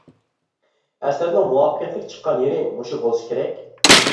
ئەسەرنىڭ مۇۋەپپەقىيەتلىك چىققان يېرى مۇشۇ بولسا كېرەك.